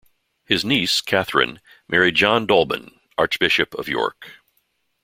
His niece, Catherine, married John Dolben, Archbishop of York.